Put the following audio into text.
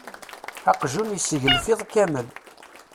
Aqjun iseglef iḍ kammel.